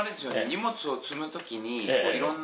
荷物を積む時に。